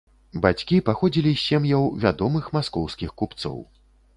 Бацькі паходзілі з сем'яў вядомых маскоўскіх купцоў.